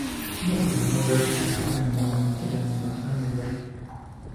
La colección de Becker se encuentra en el Museo de Historia Natural de Berlín.